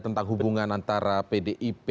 tentang hubungan antara pdip